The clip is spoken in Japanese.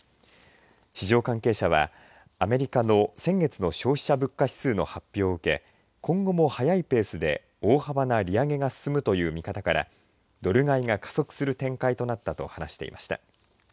市場関係者は、アメリカの先月の消費者物価指数の発表を受け今後も速いペースで大幅な利上げが進むという見方からドル買いが加速する展開になったと話していました。